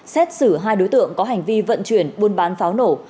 xét xử hai đối tượng có hành vi vận chuyển buôn bán pháo nổ